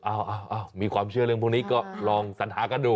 อ้าวมีความเชื่อเรื่องพวกนี้ก็ลองสัญหากันดู